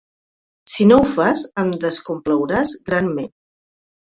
Si no ho fas ens descomplauràs granment.